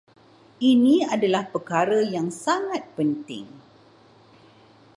Ini adalah perkara yang sangat penting